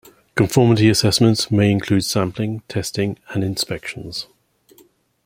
Conformity assessments may include sampling, testing, and inspections.